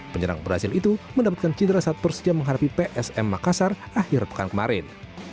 penyerang brazil itu mendapatkan cidera saat persija menghadapi psm makassar akhir pekan kemarin